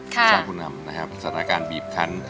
สถานการณ์บีบทัน